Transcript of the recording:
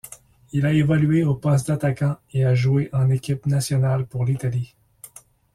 Il a évolué au poste d’attaquant et a joué en équipe nationale pour l’Italie.